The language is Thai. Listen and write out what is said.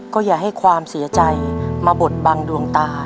ก็อย่าให้ความเสียใจมาบดบังดวงตา